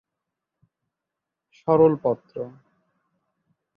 সরল পত্র।